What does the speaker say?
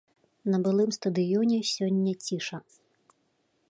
На былым стадыёне сёння ціша.